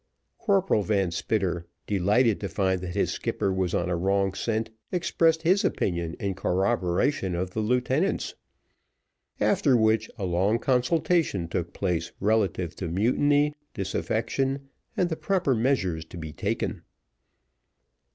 Corporal Van Spitter, delighted to find that his skipper was on a wrong scent, expressed his opinion in corroboration of the lieutenant's: after which a long consultation took place relative to mutiny, disaffection, and the proper measures to be taken.